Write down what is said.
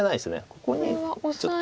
ここにちょっと。